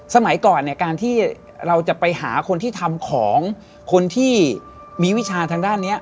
สมัยก่อนเนี่ยการที่เราจะไปหาคนที่ทำของคนที่มีวิชาทางด้านนี้